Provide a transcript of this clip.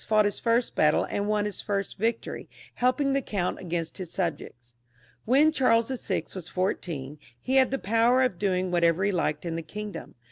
fought his first battle, and won his first victory, helping the count against his subjects. When Charles VI. was fourteen, he had the power of doing whatever he liked in the kingdom.